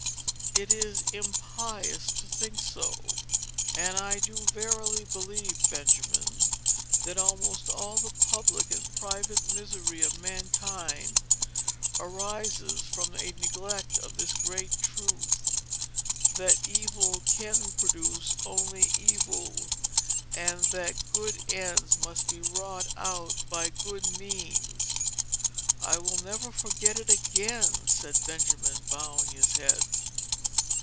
It is impious to think so! And I do verily believe, Benjamin, that almost all the public and private misery of mankind arises from a neglect of this great truth—that evil can produce only evil—that good ends must be wrought out by good means." "I will never forget it again," said Benjamin, bowing his head.